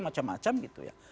macam macam gitu ya